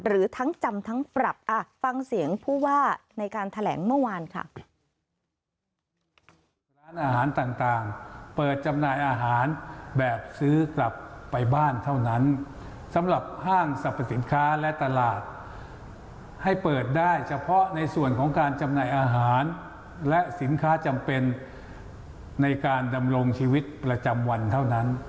หรือทั้งจำทั้งปรับฟังเสียงผู้ว่าในการแถลงเมื่อวานค่ะ